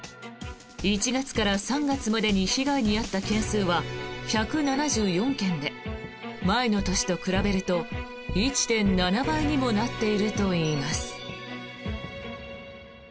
１月から３月までに被害に遭った件数は１７４件で前の年と比べると１．７倍にもなっているといいます。